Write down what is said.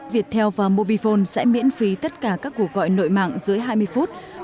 viettel và mobifone sẽ miễn phí tất cả các cuộc gọi nội mạng dưới hai mươi phút